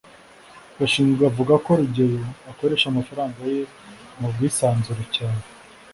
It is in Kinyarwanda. gashinzi avuga ko rugeyo akoresha amafaranga ye mu bwisanzure cyane